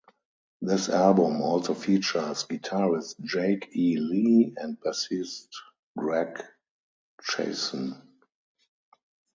This album also features guitarist Jake E. Lee and bassist Greg Chaisson.